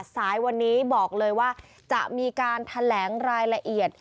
สายวันนี้บอกเลยว่าจะมีการแถลงรายละเอียด